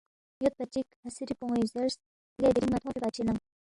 یودپا چِک ہسِری پون٘ی زیرس، لے دِرِنگ مہ تھونگفی بادشے ننگ